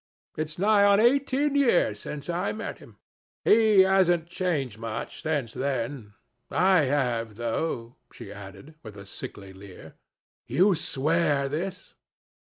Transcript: It's nigh on eighteen years since I met him. He hasn't changed much since then. I have, though," she added, with a sickly leer. "You swear this?"